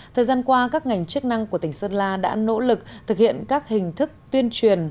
thời gian qua các ngành chức năng của tỉnh sơn la đã nỗ lực thực hiện các hình thức tuyên truyền